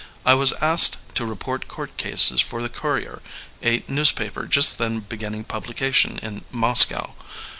I was asked to report court cases for the Courier, a newspaper just then beginning publication in Moscow.